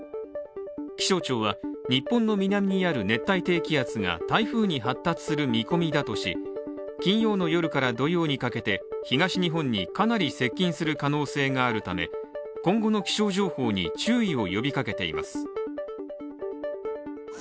気象庁は、日本の南にある熱帯低気圧が台風に発達する見込みだとし金曜の夜から土曜にかけて、東日本にかなり接近する可能性があるため、今後の気象情報に注意を呼びかけています。